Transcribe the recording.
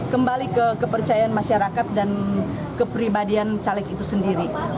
kembali ke kepercayaan masyarakat dan kepribadian caleg itu sendiri